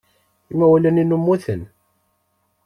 Imawlan-inu mmuten.